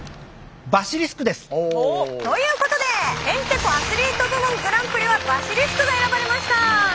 バシリスクです。ということでへんてこアスリート部門グランプリはバシリスクが選ばれました！